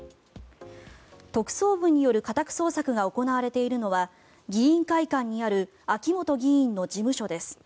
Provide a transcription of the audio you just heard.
特捜部による家宅捜索が行われているのは議員会館にある秋本議員の事務所です。